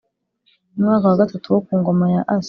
Mu mwaka wa gatatu wo ku ngoma ya asa